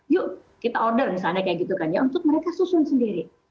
yuk kita order misalnya kayak gitu kan ya untuk mereka susun sendiri